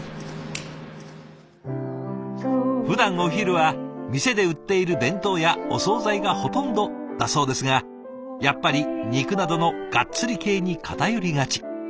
ふだんお昼は店で売っている弁当やお総菜がほとんどだそうですがやっぱり肉などのガッツリ系に偏りがち。